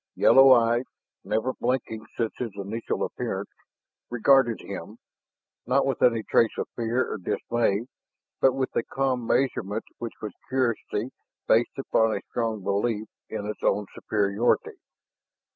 Yellow eyes, never blinking since his initial appearance, regarded him, not with any trace of fear or dismay, but with a calm measurement which was curiosity based upon a strong belief in its own superiority.